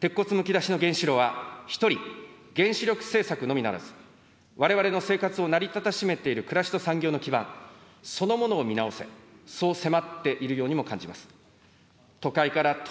鉄骨むき出しの原子炉は、ひとり原子力政策のみならず、われわれの生活を成り立たしめている暮らしと産業の基盤そのものを見直せ、そう迫っているようにも感じます。